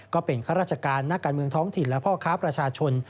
ข้าราชการนักการเมืองท้องถิ่นและพ่อค้าประชาชน